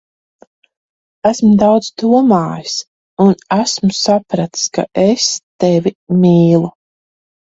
Esmu daudz domājis, un esmu sapratis, ka es tevi mīlu.